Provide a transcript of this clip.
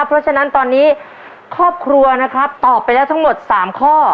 เพราะฉะนั้นตอนนี้ครอบครัวนะครับตอบไปแล้วทั้งหมด๓ข้อ